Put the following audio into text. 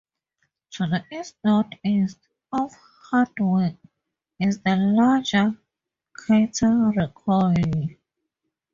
To the east-northeast of Hartwig is the larger crater Riccioli.